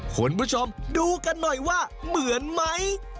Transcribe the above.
คุณผู้ชมดูกันหน่อยว่าเหมือนไหม